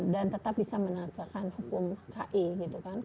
dan tetap bisa menegakkan hukum ki